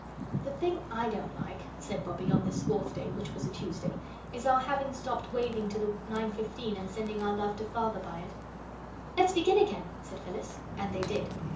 "The thing I don't like," said Bobbie, on this fourth day, which was a Tuesday, "is our having stopped waving to the 9.15 and sending our love to Father by it." "Let's begin again," said Phyllis. And they did.